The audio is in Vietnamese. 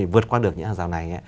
vượt qua được những hàng rào này